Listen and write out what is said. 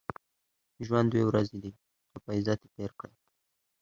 ژوند دوې ورځي دئ؛ ښه په عزت ئې تېر کئ!